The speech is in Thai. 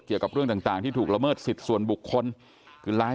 เกี่ยวกับเรื่องต่างที่ถูกละเมิดสิทธิ์ส่วนบุคคลคือร้าย